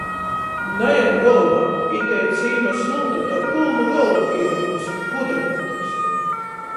Najem golvā! Itei cīma slūta tev pylnu golvu pīrunuos, gudra natiksi.